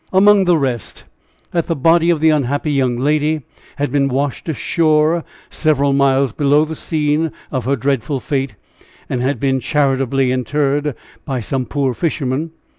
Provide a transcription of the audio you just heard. Among the rest, that the body of the unhappy young lady had been washed ashore several miles below the scene of her dreadful fate, and had been charitably interred by some poor fisherman.